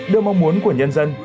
đưa mong muốn của nhân dân